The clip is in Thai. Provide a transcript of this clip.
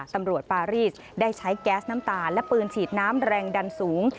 ปารีสได้ใช้แก๊สน้ำตาและปืนฉีดน้ำแรงดันสูง